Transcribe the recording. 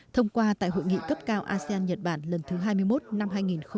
thông qua tại hội nghị cấp cao asean nhật bản lần thứ hai mươi một năm hai nghìn hai mươi